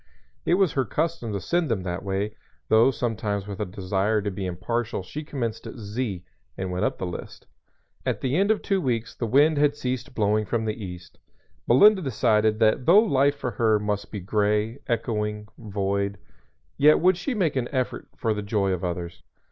It was her custom to send them that way, though sometimes with a desire to be impartial she commenced at "Z" and went up the list. At the end of two weeks the wind had ceased blowing from the east. Melinda decided that though life for her must be gray, echoing, void, yet would she make an effort for the joy of others.